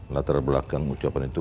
latar belakang ucapan itu